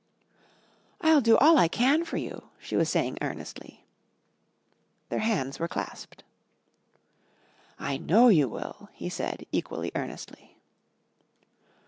"I'll do all I can for you," she was saying earnestly. Their hands were clasped. "I know you will," he said equally earnestly.